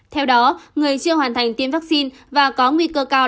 theo đó người chưa hoàn thành tiêm vaccine và có nguy cơ cao